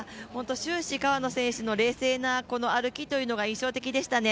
終始、川野選手の冷静な歩きというのが印象的でしたね。